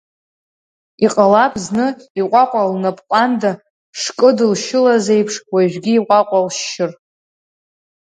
Иҟалап зны иҟәаҟәа лнап ҟәанда шкыдылшьылаз еиԥш, уажәгьы иҟәаҟәа лшьшьыр!